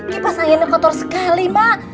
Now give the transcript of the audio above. kipas anginnya kotor sekali mak